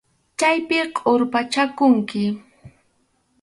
Chaypi qurpachakunki.